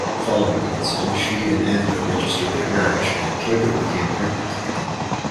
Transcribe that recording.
Following the incident, she and Ando registered their marriage, and Kago became pregnant.